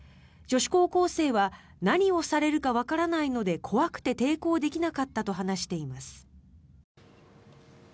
女子高校生は何をされるかわからないので怖くて抵抗できなかったと話しています。